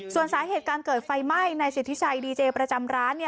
ส่วนสาเหตุการเกิดไฟไหม้ในสิทธิชัยดีเจประจำร้าน